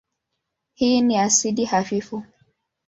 Hii ni asidi hafifu.